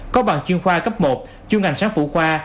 có bằng chuyên khoa cấp một chuyên ngành sáng phụ khoa